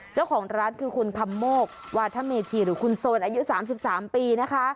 เจ้าของร้านคือคุณคำโมกวาธเมธีหรือคุณโซนอายุ๓๓ปีนะคะ